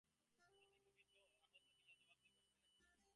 মতি আহত হইয়া জবাব দেয়, বাসবে না তো কী?